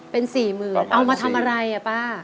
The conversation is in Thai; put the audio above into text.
เป็น๔๐๐๐เอามาทำอะไรอ่ะป้า